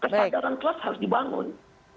kita harus dibangun